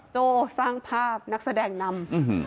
โจ้สร้างภาพนักแสดงนำ